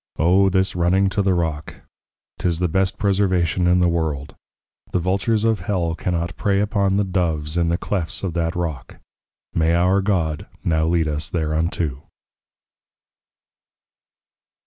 O this Running to the Rock; 'tis the best Preservation in the World; the Vultures of Hell cannot prey upon the Doves in the Clefts of that Rock. May our God now lead us thereunto.